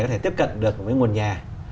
có thể tiếp cận được với nguồn nhà